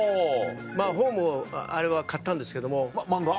まぁ本もあれは買ったんですけども。